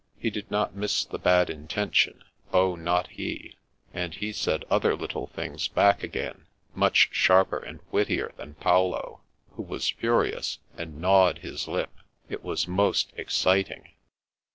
He did not miss the bad intention, oh, not he, and he said other little things back again, much sharper and wittier than Paolo, who was furious, and gnawed his lip. It was most exciting."